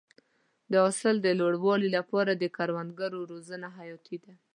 د حاصل د لوړوالي لپاره د کروندګرو روزنه حیاتي ده.